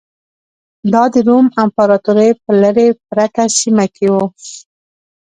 دا د روم امپراتورۍ په لرې پرته سیمه کې و